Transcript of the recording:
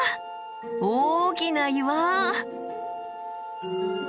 大きな岩！